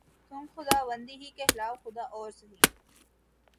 تم خداوند ہی کہلاؤ‘ خدا اور سہی